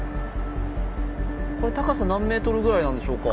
これ高さ何ｍぐらいなんでしょうか？